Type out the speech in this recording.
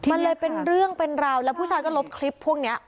มันเลยเป็นเรื่องเป็นราวแล้วผู้ชายก็ลบคลิปพวกนี้